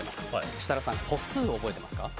設楽さん、個数を覚えてますか？